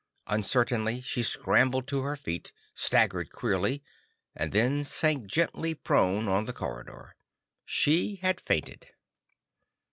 Uncertainly, she scrambled to her feet, staggered queerly, and then sank gently prone on the corridor. She had fainted.